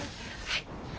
はい。